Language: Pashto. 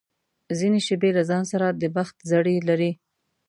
ځینې شېبې له ځان سره د بخت زړي لري.